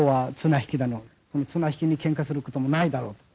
綱引きでけんかすることもないだろうと。